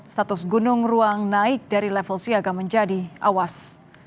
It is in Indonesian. status gunung ruang naik dari level siaga menjadi awas